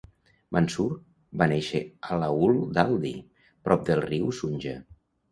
Mansur va néixer a l'aul d'Aldi, prop del riu Sunja.